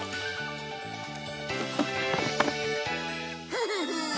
フフフン。